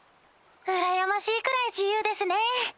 うらやましいくらい自由ですね。